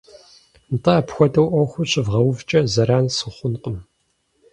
– НтӀэ, апхуэдэу Ӏуэхур щывгъэувкӀэ, зэран сыхъункъым.